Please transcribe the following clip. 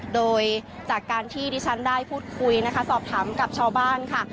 โดยจากการที่ดิฉันได้พูดคุยนะคะสอบถามกับชาวบ้านค่ะ